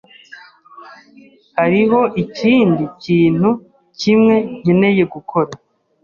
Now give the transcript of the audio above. Hariho ikindi kintu kimwe nkeneye gukora.